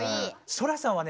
ソラさんはね